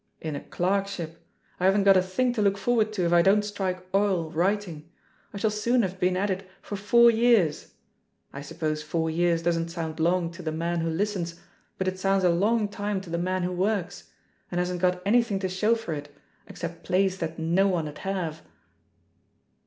In a clerkship! I haven't got a thing to look forward to if I don't strike oil writing. I shall soon have been at it for four years I I suppose *f our years' doesn't sound long to the man who listens, but it sounds a long time to the man who works — ^and hasn't got anything to show for it, except plays that no one'd have."